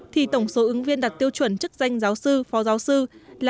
thì tổng số ứng viên đặt tiêu chuẩn chức danh giáo sư phó giáo sư là một hai trăm hai mươi sáu